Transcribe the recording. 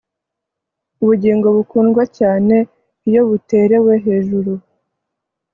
ubugingo bukundwa cyane iyo buterewe hejuru